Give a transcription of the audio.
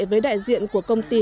với đại diện của công ty